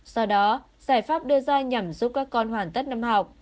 do đó giải pháp đưa ra nhằm giúp các con hoàn tất năm học